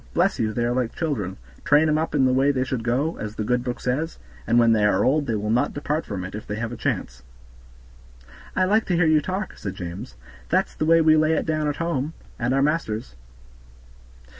Bless you! they are like children, train 'em up in the way they should go, as the good book says, and when they are old they will not depart from it, if they have a chance." "I like to hear you talk," said James, "that's the way we lay it down at home, at our master's."